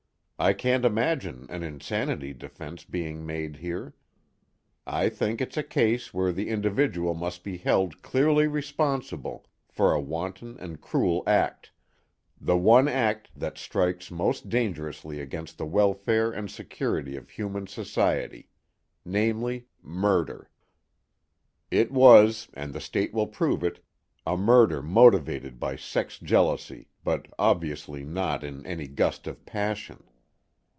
I can't imagine an insanity defense being made here. I think it's a case where the individual must be held clearly responsible for a wanton and cruel act, the one act that strikes most dangerously against the welfare and security of human society: namely murder. It was, and the State will prove it, a murder motivated by sex jealousy, but obviously not in any gust of passion.